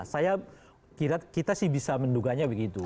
saya kira kita sih bisa menduganya begitu